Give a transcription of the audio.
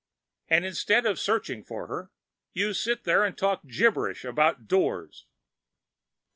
And instead of searching for her, you sit here and talk gibberish about Doors!"